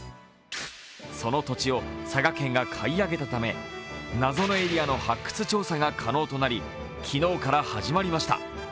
その土地を佐賀県が買い上げたため謎のエリアの発掘調査が可能となり、昨日から始まりました。